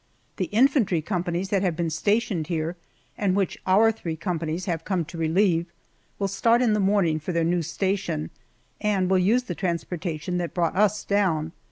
The infantry companies that have been stationed here, and which our three companies have come to relieve, will start in the morning for their new station, and will use the transportation that brought us down.